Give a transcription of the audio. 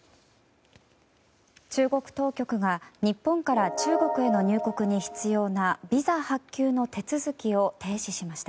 中国当局が日本から中国への入国に必要なビザ発給の手続きを停止しました。